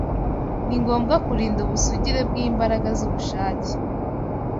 Ni ngombwa kurinda ubusugire bw’imbaraga z’ubushake